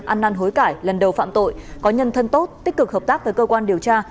ăn năn hối cải lần đầu phạm tội có nhân thân tốt tích cực hợp tác với cơ quan điều tra